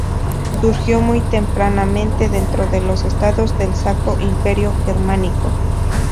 Surgió muy tempranamente dentro de los estados del Sacro Imperio Germánico.